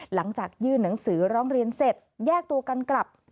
หลังจากยื่นหนังสือร้องเรียนเสร็จแยกตัวกันกลับ